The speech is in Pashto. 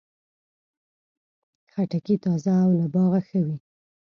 خټکی تازه او له باغه ښه وي.